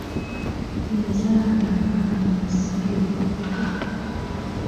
Yazaala abaana basatu bokka.